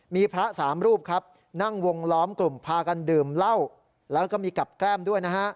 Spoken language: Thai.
มีพระสามรูปครับนั่งวงล้อมกลุ่มพากันดื่มเหล้าแล้วก็มีกับแก้มด้วยนะฮะ